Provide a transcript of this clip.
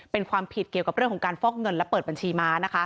เป็นความผิดเกี่ยวกับเรื่องของการฟอกเงินและเปิดบัญชีม้านะคะ